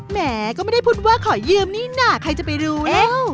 แหมก็ไม่ได้พูดว่าขอยืมนี่น่ะใครจะไปรู้